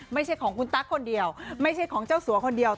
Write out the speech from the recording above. ไม่ใช่ของคุณตั๊กคนเดียวไม่ใช่ของเจ้าสัวคนเดียว